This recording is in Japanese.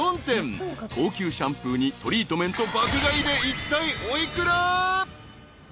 ［高級シャンプーにトリートメント爆買いでいったいお幾ら？］